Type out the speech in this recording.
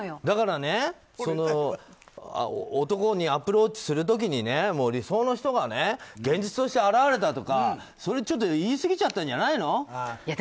だから男にアプローチする時に理想の人が現実として現れたとか、ちょっと言い過ぎちゃったんじゃないの。